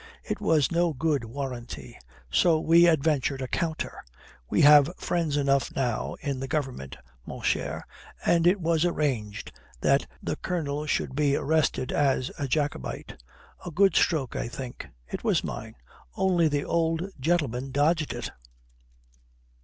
It was no good warranty. So we adventured a counter. We have friends enough now in the Government, mon cher, and it was arranged that the Colonel should be arrested as a Jacobite. A good stroke, I think. It was mine. Only the old gentleman dodged it."